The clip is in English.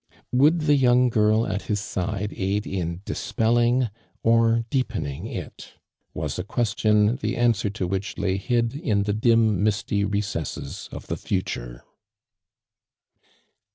Would the young girl at his side aid in dis pelling or deepening it, was a question, the answer to which lay hid in the dim misty recesses of the future.